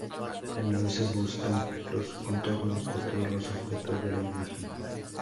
Primero se buscan los contornos de todos los objetos de la imagen.